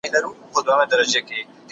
ګل به پخپله شې، د ګُلو ده خاندان به شې.